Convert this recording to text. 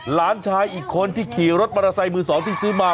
หลานชายอีกคนที่ขี่รถมอเตอร์ไซค์มือสองที่ซื้อมา